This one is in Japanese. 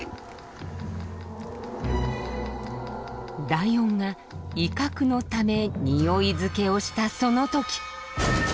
ライオンが威嚇のためにおい付けをしたその時。